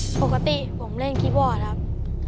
ปกติผมเล่นคีย์วอร์ดครับ